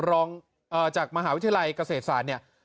รองจากมหาวิทยาลัยเกษตรศาสตร์เนี่ย